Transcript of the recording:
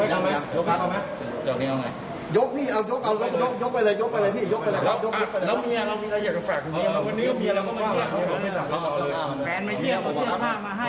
อยากพูดแหละพี่เดี๋ยวผมรอง่าให้